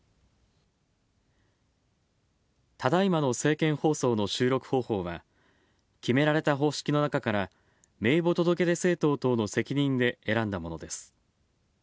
ただいまの政見放送の収録方法は、決められた方式の中から名簿届出政党等の責任で選んだものです。